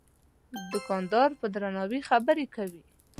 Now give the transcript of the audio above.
دوکاندار په درناوي خبرې کوي.